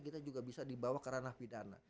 kita juga bisa dibawa ke ranah pidana